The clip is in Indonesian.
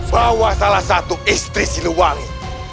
bawa salah satu istri siliwangi